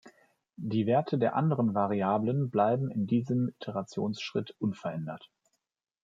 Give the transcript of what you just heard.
Die Werte der anderen Variablen bleiben in diesem Iterationsschritt unverändert.